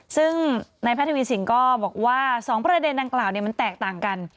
ซึ่งนายแพทย์ทวีสินก็บอกว่า๒ประเด็นดังกล่าวมันแตกต่างกัน